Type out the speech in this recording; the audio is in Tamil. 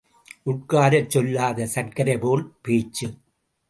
உட்காரச் சொல்லாத சர்க்கரை போல் பேச்சு.